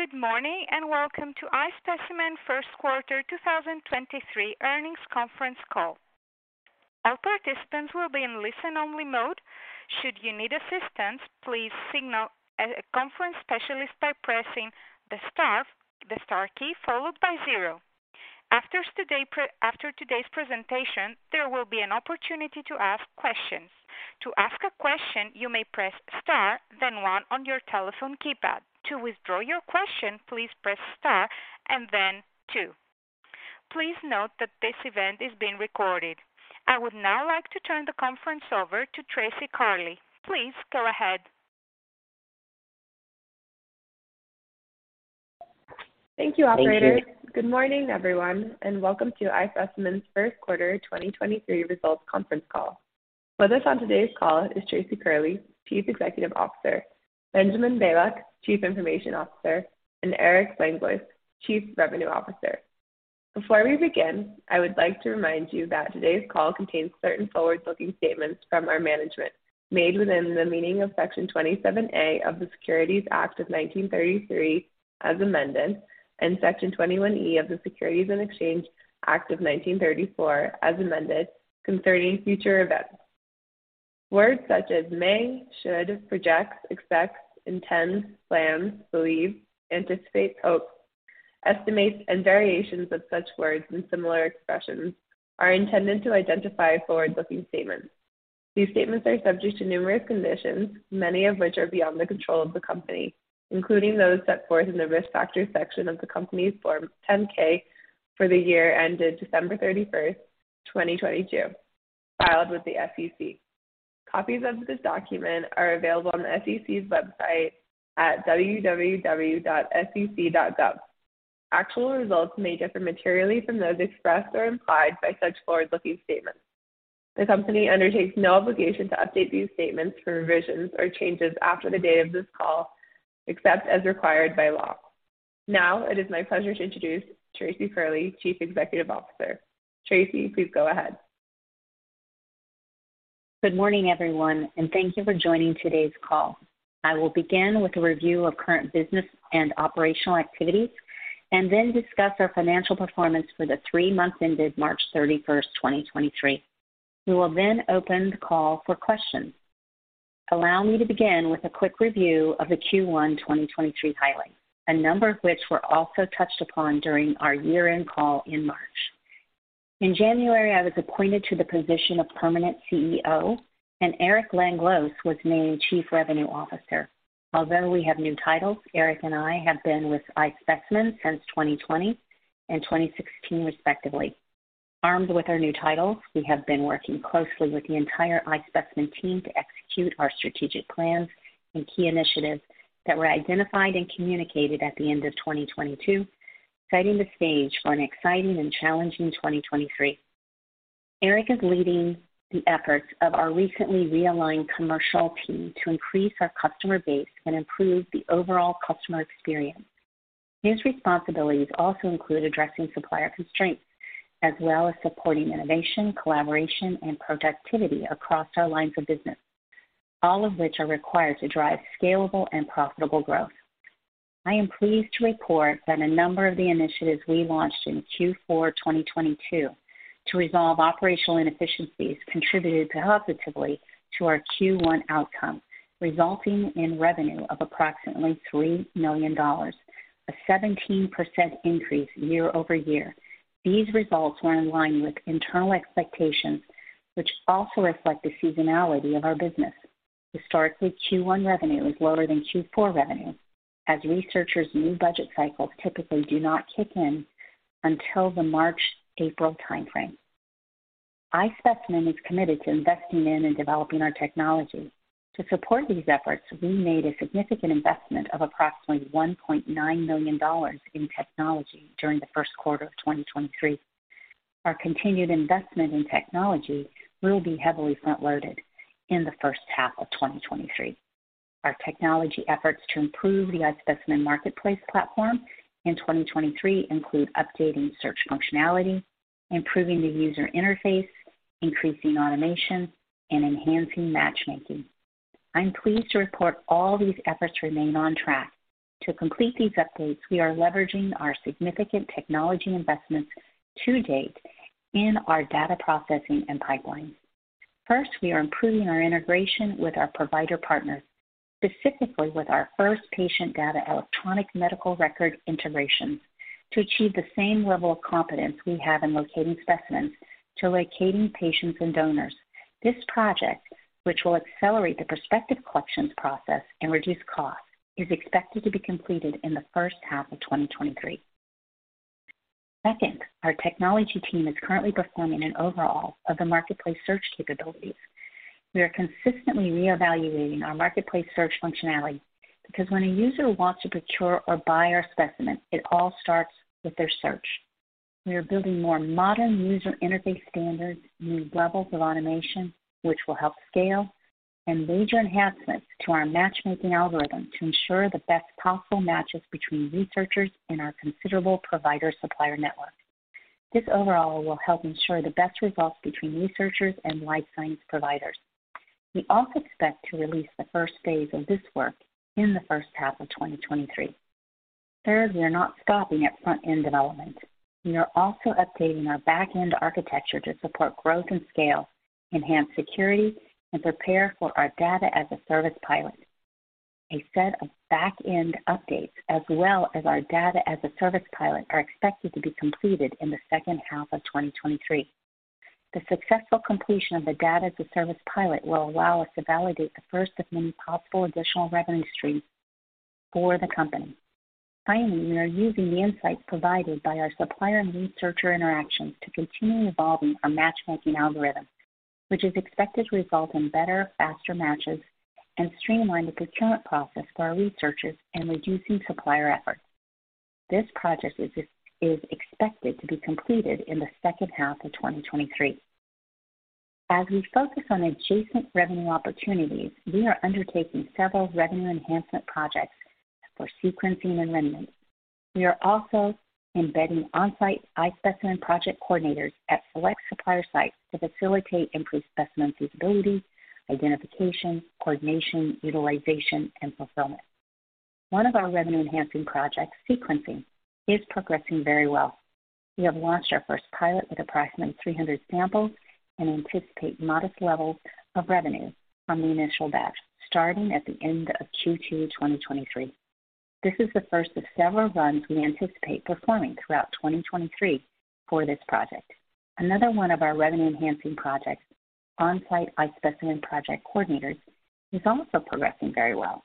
Good morning, and welcome to iSpecimen first quarter 2023 earnings conference call. All participants will be in listen-only mode. Should you need assistance, please signal a conference specialist by pressing the Star key followed by zero. After today's presentation, there will be an opportunity to ask questions. To ask a question, you may press Star, then one on your telephone keypad. To withdraw your question, please press Star and then two. Please note that this event is being recorded. I would now like to turn the conference over to Tracy Curley. Please go ahead. Thank you, operator. Good morning, everyone, and welcome to iSpecimen's first quarter 2023 results conference call. With us on today's call is Tracy Curley, Chief Executive Officer; Benjamin Bielak, Chief Information Officer; and Eric Langlois, Chief Revenue Officer. Before we begin, I would like to remind you that today's call contains certain forward-looking statements from our management made within the meaning of Section 27A of the Securities Act of 1933, as amended, and Section 21E of the Securities Exchange Act of 1934, as amended, concerning future events. Words such as may, should, projects, expects, intends, plans, believe, anticipate, hopes, estimates, and variations of such words and similar expressions are intended to identify forward-looking statements. These statements are subject to numerous conditions, many of which are beyond the control of the company, including those set forth in the Risk Factors section of the company's Form 10-K for the year ended December 31st, 2022, filed with the SEC. Copies of this document are available on the SEC's website at www.sec.gov. Actual results may differ materially from those expressed or implied by such forward-looking statements. The company undertakes no obligation to update these statements for revisions or changes after the date of this call, except as required by law. It is my pleasure to introduce Tracy Curley, Chief Executive Officer. Tracy, please go ahead. Good morning, everyone, and thank you for joining today's call. I will begin with a review of current business and operational activities, and then discuss our financial performance for the three months ended March 31, 2023. We will open the call for questions. Allow me to begin with a quick review of the Q1 2023 highlights, a number of which were also touched upon during our year-end call in March. In January, I was appointed to the position of permanent CEO, Eric Langlois was named Chief Revenue Officer. Although we have new titles, Eric and I have been with iSpecimen since 2020 and 2016, respectively. Armed with our new titles, we have been working closely with the entire iSpecimen team to execute our strategic plans and key initiatives that were identified and communicated at the end of 2022, setting the stage for an exciting and challenging 2023. Eric is leading the efforts of our recently realigned commercial team to increase our customer base and improve the overall customer experience. These responsibilities also include addressing supplier constraints, as well as supporting innovation, collaboration, and productivity across our lines of business, all of which are required to drive scalable and profitable growth. I am pleased to report that a number of the initiatives we launched in Q4 2022 to resolve operational inefficiencies contributed positively to our Q1 outcome, resulting in revenue of approximately $3 million, a 17% increase year-over-year. These results were in line with internal expectations, which also reflect the seasonality of our business. Historically, Q1 revenue is lower than Q4 revenue, as researchers' new budget cycles typically do not kick in until the March, April timeframe. iSpecimen is committed to investing in and developing our technology. To support these efforts, we made a significant investment of approximately $1.9 million in technology during the first quarter of 2023. Our continued investment in technology will be heavily front-loaded in the first half of 2023. Our technology efforts to improve the iSpecimen Marketplace platform in 2023 include updating search functionality, improving the user interface, increasing automation, and enhancing matchmaking. I'm pleased to report all these efforts remain on track. To complete these updates, we are leveraging our significant technology investments to date in our data processing and pipeline. First, we are improving our integration with our provider partners, specifically with our first patient data electronic medical record integration, to achieve the same level of competence we have in locating specimens to locating patients and donors. This project, which will accelerate the prospective collections process and reduce costs, is expected to be completed in the first half of 2023. Second, our technology team is currently performing an overhaul of the marketplace search capabilities. We are consistently reevaluating our marketplace search functionality because when a user wants to procure or buy our specimen, it all starts with their search. We are building more modern user interface standards, new levels of automation which will help scale and major enhancements to our matchmaking algorithm to ensure the best possible matches between researchers and our considerable provider supplier network. This overall will help ensure the best results between researchers and life science providers. We also expect to release the first phase of this work in the first half of 2023. Third, we are not stopping at front-end development. We are also updating our back-end architecture to support growth and scale, enhance security, and prepare for our Data as a Service pilot. A set of back-end updates as well as our Data as a Service pilot are expected to be completed in the second half of 2023. The successful completion of the Data as a Service pilot will allow us to validate the first of many possible additional revenue streams for the company. Finally, we are using the insights provided by our supplier and researcher interactions to continue evolving our matchmaking algorithm, which is expected to result in better, faster matches and streamline the procurement process for our researchers in reducing supplier effort. This project is expected to be completed in the second half of 2023. As we focus on adjacent revenue opportunities, we are undertaking several revenue enhancement projects for sequencing and remnant. We are also embedding on-site iSpecimen project coordinators at select supplier sites to facilitate improved specimen feasibility, identification, coordination, utilization, and fulfillment. One of our revenue-enhancing projects, sequencing, is progressing very well. We have launched our first pilot with approximately 300 samples and anticipate modest levels of revenue from the initial batch starting at the end of Q2 2023. This is the first of several runs we anticipate performing throughout 2023 for this project. Another one of our revenue-enhancing projects, on-site iSpecimen project coordinators, is also progressing very well.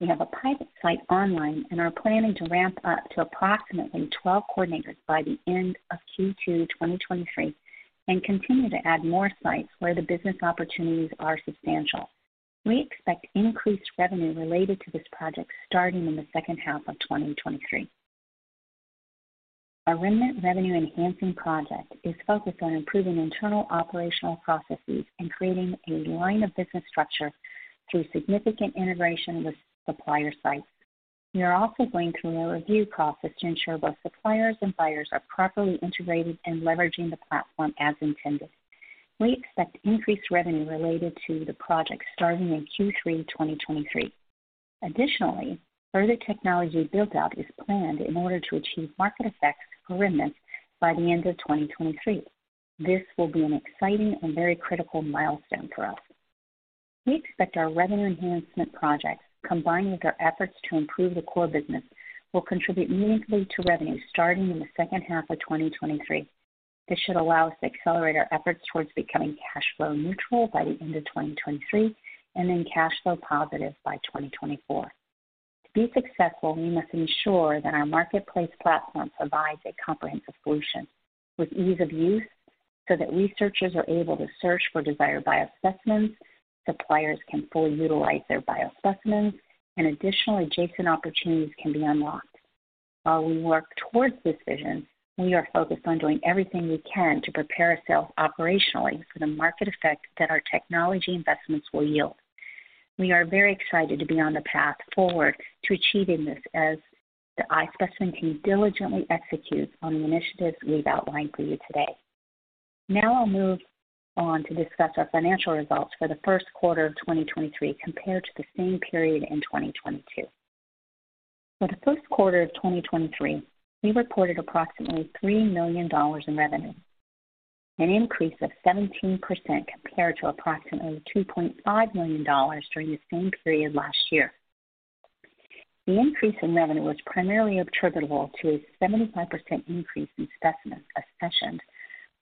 We have a pilot site online and are planning to ramp up to approximately 12 coordinators by the end of Q2 2023 and continue to add more sites where the business opportunities are substantial. We expect increased revenue related to this project starting in the second half of 2023. Our remnant revenue-enhancing project is focused on improving internal operational processes and creating a line of business structure through significant integration with supplier sites. We are also going through a review process to ensure both suppliers and buyers are properly integrated and leveraging the platform as intended. We expect increased revenue related to the project starting in Q3 2023. Additionally, further technology build-out is planned in order to achieve market effects for remnants by the end of 2023. This will be an exciting and very critical milestone for us. We expect our revenue enhancement project, combined with our efforts to improve the core business, will contribute meaningfully to revenue starting in the second half of 2023. This should allow us to accelerate our efforts towards becoming cash flow neutral by the end of 2023 and then cash flow positive by 2024. To be successful, we must ensure that our marketplace platform provides a comprehensive solution with ease of use so that researchers are able to search for desired biospecimens, suppliers can fully utilize their biospecimens, and additional adjacent opportunities can be unlocked. While we work towards this vision, we are focused on doing everything we can to prepare ourselves operationally for the market effect that our technology investments will yield. We are very excited to be on the path forward to achieving this as the iSpecimen team diligently executes on the initiatives we've outlined for you today. I'll move on to discuss our financial results for the first quarter of 2023 compared to the same period in 2022. For the first quarter of 2023, we reported approximately $3 million in revenue, an increase of 17% compared to approximately $2.5 million during the same period last year. The increase in revenue was primarily attributable to a 75% increase in specimens accessioned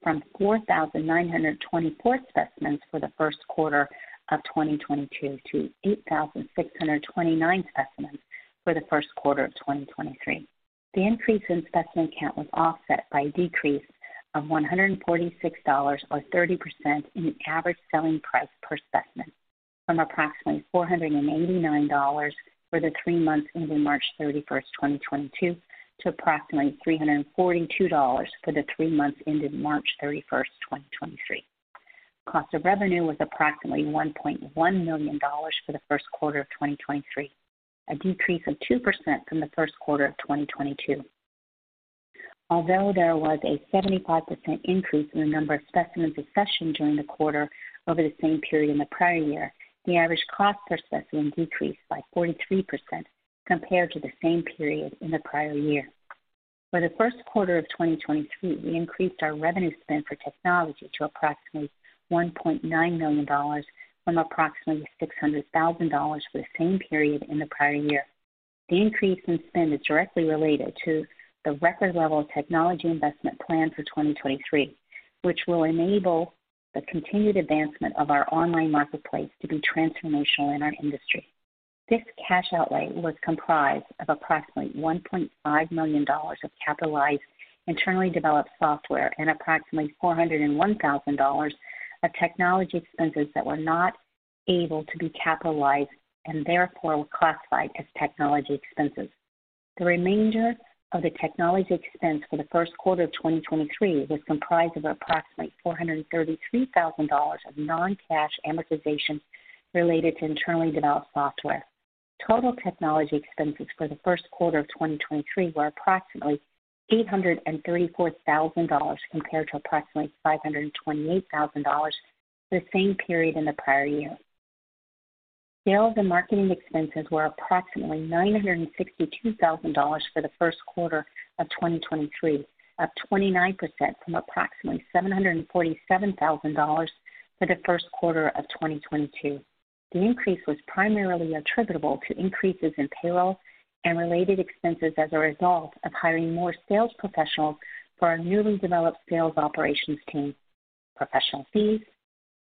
from 4,924 specimens for the first quarter of 2022 to 8,629 specimens for the first quarter of 2023. The increase in specimen count was offset by a decrease of $146, or 30%, in the average selling price per specimen from approximately $489 for the three months ending March 31, 2022, to approximately $342 for the 3 months ending March 31, 2023. Cost of revenue was approximately $1.1 million for the first quarter of 2023, a decrease of 2% from the first quarter of 2022. Although there was a 75% increase in the number of specimens accessioned during the quarter over the same period in the prior year, the average cost per specimen decreased by 43% compared to the same period in the prior year. For the first quarter of 2023, we increased our revenue spend for technology to approximately $1.9 million from approximately $0.6 million for the same period in the prior year. The increase in spend is directly related to the record level of technology investment plan for 2023, which will enable the continued advancement of our online marketplace to be transformational in our industry. This cash outlay was comprised of approximately $1.5 million of capitalized internally developed software and approximately $0.401 million of technology expenses that were not able to be capitalized and therefore were classified as technology expenses. The remainder of the technology expense for the first quarter of 2023 was comprised of approximately $0.433 million of non-cash amortization related to internally developed software. Total technology expenses for the first quarter of 2023 were approximately $0.834 million compared to approximately $0.528 million for the same period in the prior year. Sales and marketing expenses were approximately $0.962 million for the first quarter of 2023, up 29% from approximately $0.747 million for the first quarter of 2022. The increase was primarily attributable to increases in payroll and related expenses as a result of hiring more sales professionals for our newly developed sales operations team, professional fees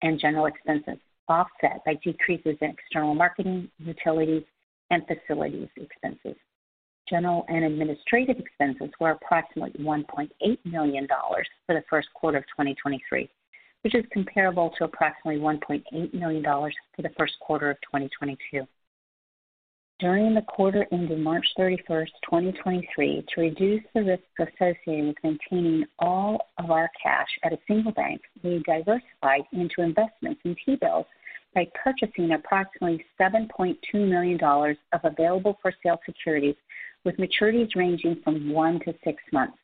and general expenses, offset by decreases in external marketing, utilities, and facilities expenses. General and administrative expenses were approximately $1.8 million for the first quarter of 2023, which is comparable to approximately $1.8 million for the first quarter of 2022. During the quarter ending March 31, 2023, to reduce the risk associated with maintaining all of our cash at a single bank, we diversified into investments in T-bills by purchasing approximately $7.2 million of available-for-sale securities with maturities ranging from one to six months.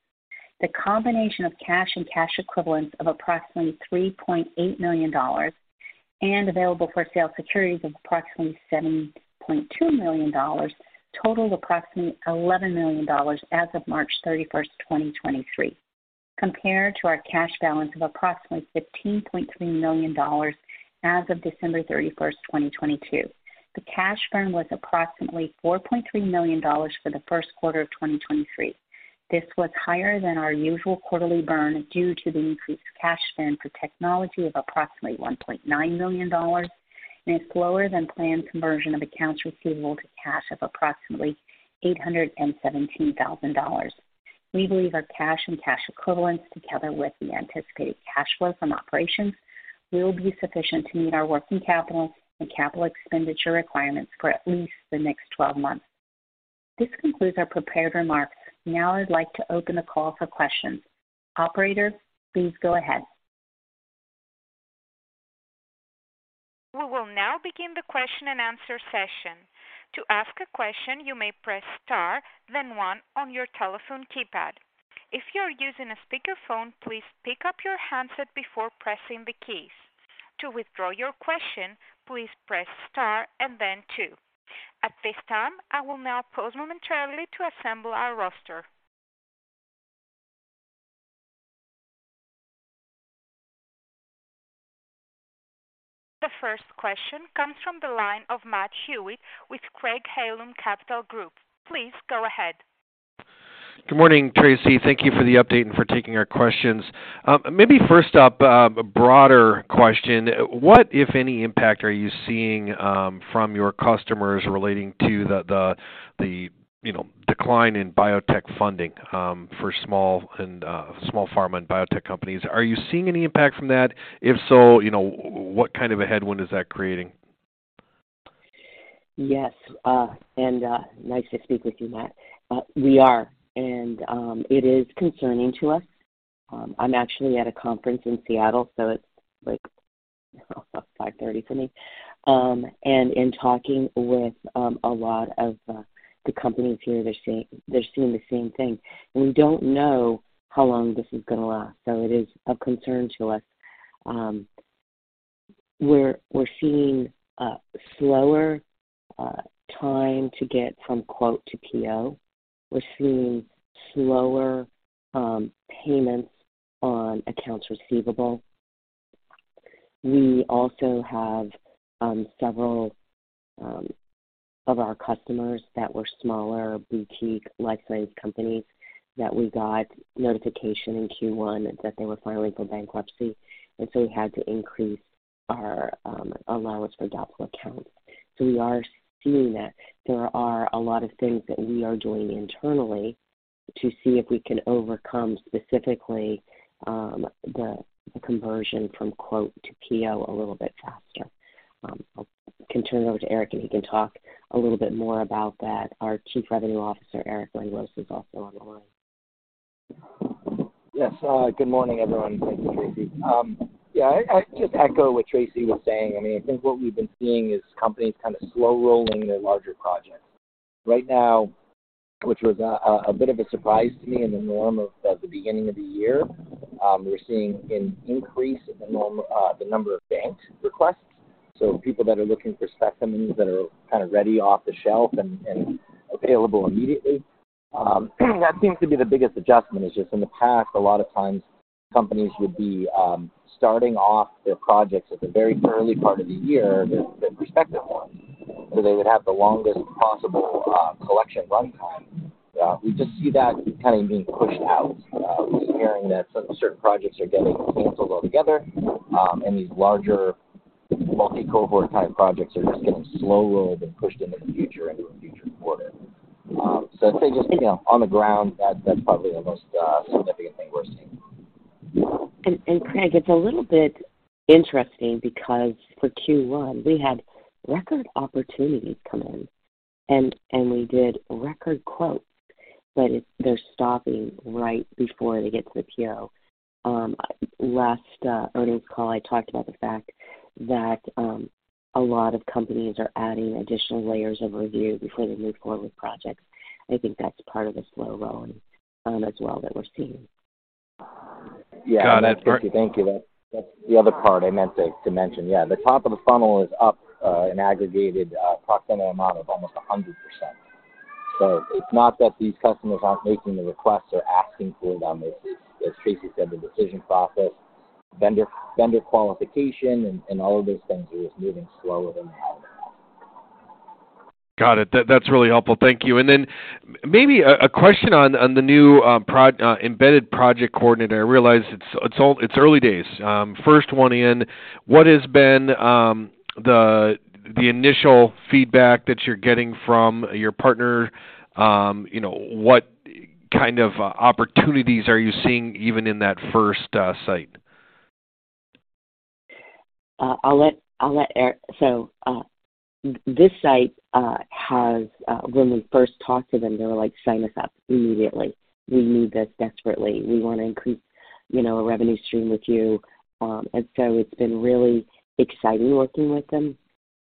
The combination of cash and cash equivalents of approximately $3.8 million and available-for-sale securities of approximately $7.2 million totals approximately $11 million as of March 31, 2023, compared to our cash balance of approximately $15.3 million as of December 31, 2022. The cash burn was approximately $4.3 million for the first quarter of 2023. This was higher than our usual quarterly burn due to the increased cash spend for technology of approximately $1.9 million. It's lower than planned conversion of accounts receivable to cash of approximately $0.817 million. We believe our cash and cash equivalents, together with the anticipated cash flow from operations, will be sufficient to meet our working capital and capital expenditure requirements for at least the next 12 months. This concludes our prepared remarks. I'd like to open the call for questions. Operator, please go ahead. We will now begin the question and answer session. To ask a question, you may press Star then one on your telephone keypad. If you are using a speakerphone, please pick up your handset before pressing the keys. To withdraw your question, please press Star and then two. At this time, I will now pause momentarily to assemble our roster. The first question comes from the line of Matt Hewitt with Craig-Hallum Capital Group. Please go ahead. Good morning, Tracy. Thank you for the update and for taking our questions. Maybe first up, a broader question. What, if any, impact are you seeing from your customers relating to the, you know, decline in biotech funding for small and, small pharma and biotech companies? Are you seeing any impact from that? If so, you know, what kind of a headwind is that creating? Yes, nice to speak with you, Matt. We are, it is concerning to us. I'm actually at a conference in Seattle, so it's like 5:30 for me. In talking with a lot of the companies here, they're seeing the same thing. We don't know how long this is gonna last, so it is of concern to us. We're seeing a slower time to get from quote to PO. We're seeing slower payments on accounts receivable. We also have several of our customers that were smaller boutique life science companies that we got notification in Q1 that they were filing for bankruptcy, we had to increase our allowance for doubtful accounts. We are seeing that. There are a lot of things that we are doing internally to see if we can overcome specifically, the conversion from quote to PO a little bit faster. I can turn it over to Eric, and he can talk a little bit more about that. Our Chief Revenue Officer, Eric Langlois, is also on the line. Yes. Good morning, everyone. Thank you, Tracy. Yeah, I just echo what Tracy was saying. I mean, I think what we've been seeing is companies kind of slow-rolling their larger projects. Right now, which was a bit of a surprise to me in the norm of the beginning of the year, we're seeing an increase in the number of banked requests, so people that are looking for specimen menus that are kind of ready off the shelf and available immediately. That seems to be the biggest adjustment is just in the past, a lot of times companies would be starting off their projects at the very early part of the year, the prospective ones, so they would have the longest possible collection runtime. We just see that kind of being pushed out. We're hearing that some certain projects are getting canceled altogether. These larger multi-cohort type projects are just getting slow-rolled and pushed into the future, into a future quarter. I'd say just, you know, on the ground that's probably the most significant thing we're seeing. Matt, it's a little bit interesting because for Q1 we had record opportunities come in and we did record quotes. They're stopping right before they get to the PO. Last earnings call, I talked about the fact that a lot of companies are adding additional layers of review before they move forward with projects. I think that's part of the slow rolling as well that we're seeing. Yeah. Got it. Thank you. That's the other part I meant to mention. Yeah, the top of the funnel is up an aggregated approximate amount of almost 100%. It's not that these customers aren't making the requests or asking for it on this. It's, as Tracy Curley said, the decision process, vendor qualification, and all of those things are just moving slower than normal. Got it. That's really helpful. Thank you. Maybe a question on the new embedded project coordinator. I realize it's early days. First one in, what has been the initial feedback that you're getting from your partner? You know, what kind of opportunities are you seeing even in that first site? I'll let Eric. This site has when we first talked to them, they were like, "Sign us up immediately. We need this desperately. We wanna increase, you know, a revenue stream with you." It's been really exciting working with them,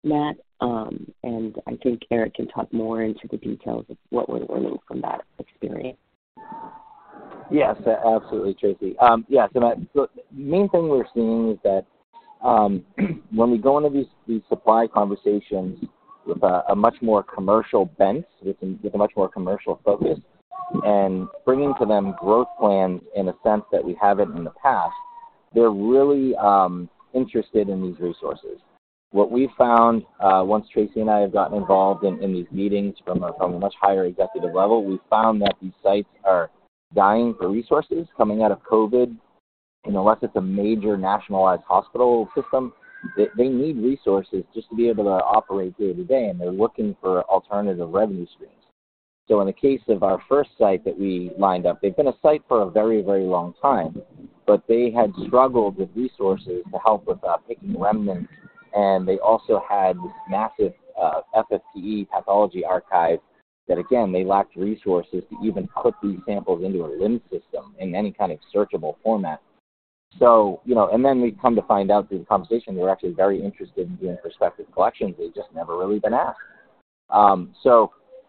Matt. I think Eric can talk more into the details of what we're learning from that experience. Yes, absolutely, Tracy. Yeah. The main thing we're seeing is that when we go into these supply conversations with a much more commercial bent, with a much more commercial focus, and bringing to them growth plans in a sense that we haven't in the past, they're really interested in these resources. What we found, once Tracy and I have gotten involved in these meetings from a much higher executive level, we found that these sites are dying for resources coming out of COVID. You know, unless it's a major nationalized hospital system, they need resources just to be able to operate day to day, and they're looking for alternative revenue streams. In the case of our first site that we lined up, they've been a site for a very, very long time, but they had struggled with resources to help with picking remnants, and they also had this massive FFPE pathology archive that again, they lacked resources to even put these samples into a LIMS system in any kind of searchable format. You know, we come to find out through the conversation, they're actually very interested in doing prospective collections. They've just never really been asked.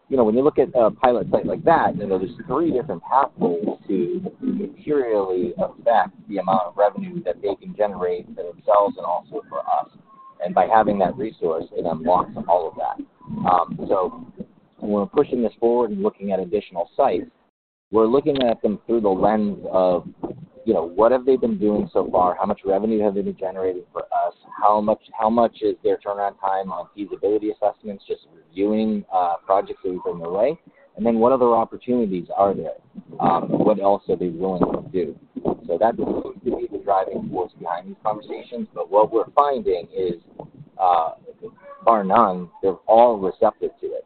You know, when you look at a pilot site like that, you know, there's three different pathways to materially affect the amount of revenue that they can generate for themselves and also for us. By having that resource, it unlocks all of that. When we're pushing this forward and looking at additional sites, we're looking at them through the lens of, you know, what have they been doing so far? How much revenue have they been generating for us? How much is their turnaround time on feasibility assessments, just reviewing projects that we bring their way? What other opportunities are there? What else are they willing to do? That seems to be the driving force behind these conversations. What we're finding is, bar none, they're all receptive to it.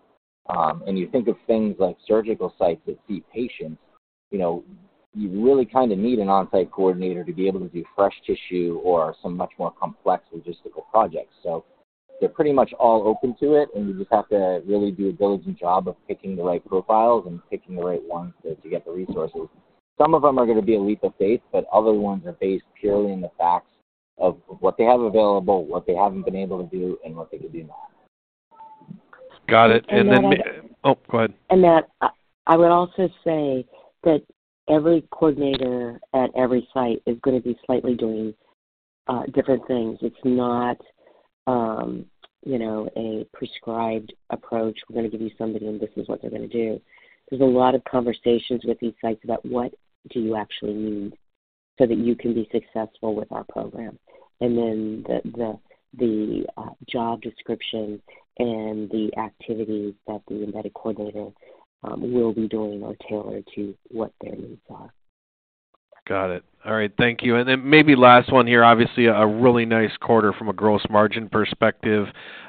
You think of things like surgical sites that see patients, you know, you really kinda need an on-site coordinator to be able to do fresh tissue or some much more complex logistical projects. They're pretty much all open to it, and you just have to really do a diligent job of picking the right profiles and picking the right ones to get the resources. Some of them are gonna be a leap of faith, but other ones are based purely on the facts of what they have available, what they haven't been able to do and what they could do now. Got it. And then- Oh, go ahead. Matt, I would also say that every coordinator at every site is gonna be slightly doing different things. It's not, you know, a prescribed approach. We're gonna give you somebody, and this is what they're gonna do. There's a lot of conversations with these sites about what do you actually need, so that you can be successful with our program. Then the job description and the activities that the embedded coordinator will be doing are tailored to what their needs are. Got it. All right. Thank you. Maybe last one here. Obviously, a really nice quarter from a gross margin perspective.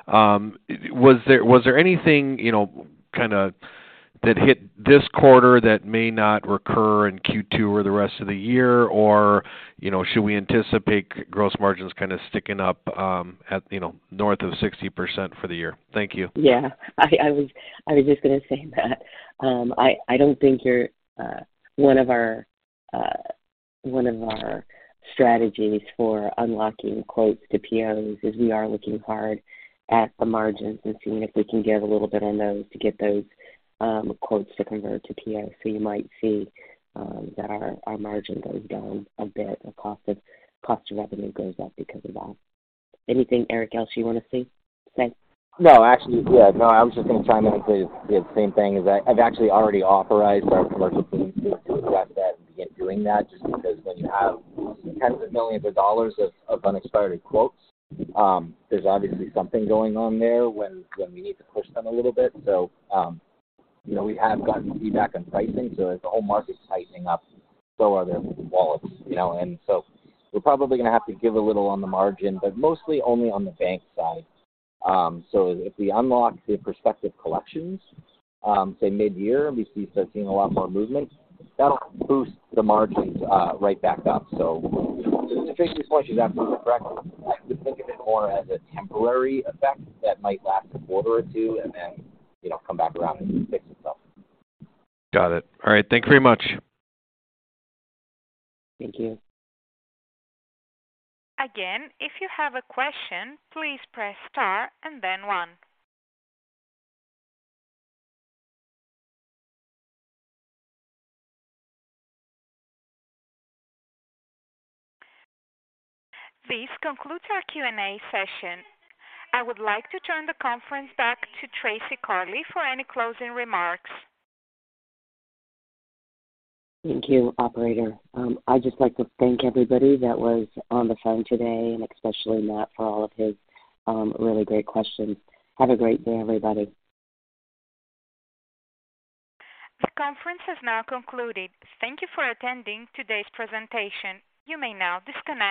Was there anything, you know, kinda that hit this quarter that may not recur in Q2 or the rest of the year? You know, should we anticipate gross margins kinda sticking up, at, you know, north of 60% for the year? Thank you. Yeah. I was just gonna say that. I don't think you're one of our one of our strategies for unlocking quotes to POs is we are looking hard at the margins and seeing if we can give a little bit on those to get those quotes to convert to POs. You might see that our margin goes down a bit or cost of revenue goes up because of that. Anything, Eric, else you wanna say? No, actually. I've actually already authorized our commercial teams to address that and begin doing that, just because when you have $10 million of unexpired quotes, there's obviously something going on there when we need to push them a little bit. you know, we have gotten feedback on pricing, as the whole market's tightening up, so are their wallets, you know. We're probably gonna have to give a little on the margin, but mostly only on the bank side. If we unlock the prospective collections, say mid-year, and we start seeing a lot more movement, that'll boost the margins right back up. To Tracy's point, she's absolutely correct. I just think of it more as a temporary effect that might last a quarter or two and then, you know, come back around and fix itself. Got it. All right. Thank you very much. Thank you. Again, if you have a question, please press star and then one. This concludes our Q&A session. I would like to turn the conference back to Tracy Curley for any closing remarks. Thank you, operator. I'd just like to thank everybody that was on the phone today, and especially Matt for all of his really great questions. Have a great day, everybody. The conference has now concluded. Thank you for attending today's presentation. You may now disconnect.